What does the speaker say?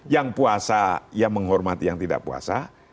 yang puasa yang menghormati yang tidak puasa